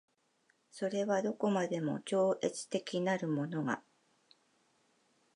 それはどこまでも超越的なるものが